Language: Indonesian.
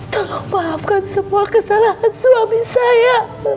tolong maafkan semua kesalahan suami saya